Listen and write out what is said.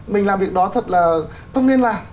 mình làm việc đó thật là thông niên là